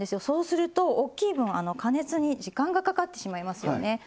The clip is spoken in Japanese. そうすると大きい分加熱に時間がかかってしまいますよね。